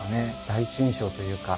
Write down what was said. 第一印象というか。